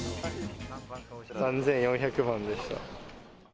３４００番でした。